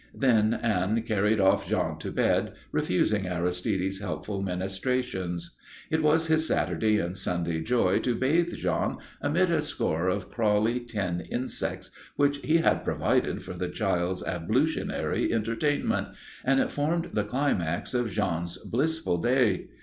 Then Anne carried off Jean to bed, refusing Aristide's helpful ministrations. It was his Saturday and Sunday joy to bath Jean amid a score of crawly tin insects which he had provided for the child's ablutionary entertainment, and it formed the climax of Jean's blissful day.